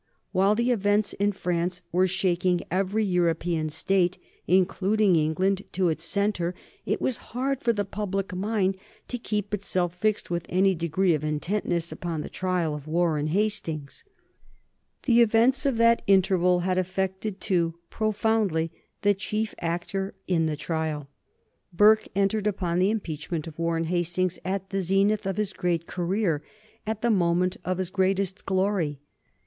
While the events in France were shaking every European State, including England, to its centre, it was hard for the public mind to keep itself fixed with any degree of intentness upon the trial of Warren Hastings. The events of that interval had affected too, profoundly, the chief actor in the trial. Burke entered upon the impeachment of Warren Hastings at the zenith of his great career, at the moment of his greatest glory.